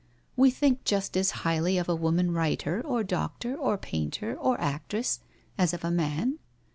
We think just as highly of a woman writer or doctor or painter oc actress, as of a man."